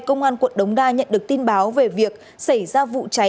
công an quận đống đa nhận được tin báo về việc xảy ra vụ cháy